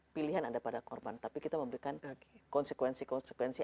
pilihan ada pada korban tapi kita memberikan konsekuensi konsekuensi